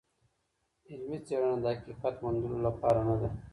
علمي څېړنه د حقیقت موندلو لپاره نده.